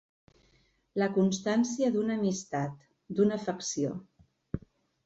La constància d'una amistat, d'una afecció.